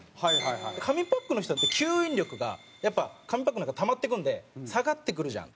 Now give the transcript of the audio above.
紙パックの人は、吸引力が紙パックの中にたまっていくんで下がってくるじゃん